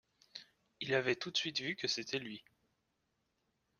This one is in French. Il avait tout de suite vu que c’était lui.